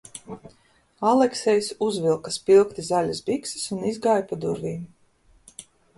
Aleksejs uzvilka spilgti zaļas bikses un izgāja pa durvīm.